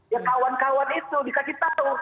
ya kawan kawan itu dikasih tahu